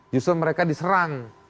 justru mereka diserang